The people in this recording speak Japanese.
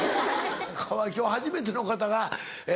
今日初めての方がえ